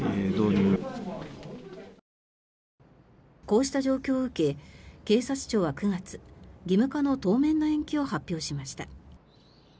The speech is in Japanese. こうした状況を受け警察庁は９月義務化の当面の延期を発表しました。